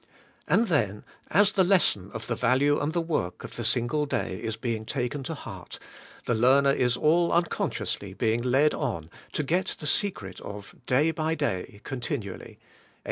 And then, as the lesson of the value and the work of the single day is being taken to heart, the learner is all unconsciously being led on to get the secret of *day by day continually' {Ux.